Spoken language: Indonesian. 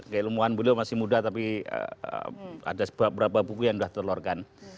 keilmuan belum masih muda tapi ada beberapa buku yang sudah di luarkan